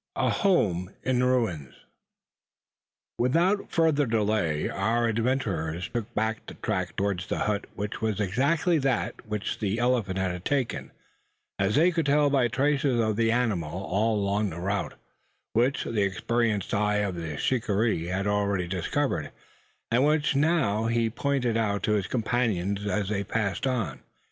A HOME IN RUINS. Without further delay, our adventurers took the back track towards the hut, which was exactly that which the elephant had taken as they could tell by traces of the animal all along the route, which the experienced eye of the shikaree had already discovered, and which he now pointed out to his companions as they passed on.